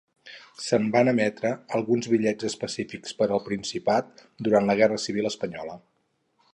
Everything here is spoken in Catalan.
Se'n van emetre alguns bitllets específics per al Principat durant la Guerra Civil espanyola.